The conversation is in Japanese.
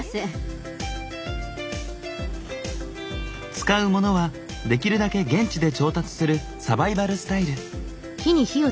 使うモノはできるだけ現地で調達するサバイバルスタイル。